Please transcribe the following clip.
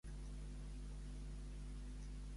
L'obra marxa a Madrid, però tornarà a La Gleva el setembre.